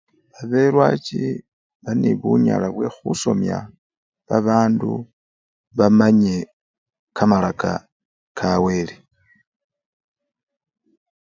Babelwachi bali nebunyala bwe khusomya babandu bamanye kamalaka kawele.